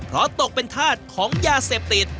เพราะตกเป็นธาตุของยาเสพติด